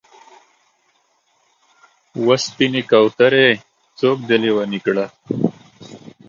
و سپینې کوترې! څوک دې لېونی کړل؟